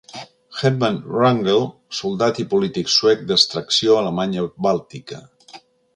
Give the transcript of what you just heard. Herman Wrangel, soldat i polític suec d'extracció alemanya bàltica.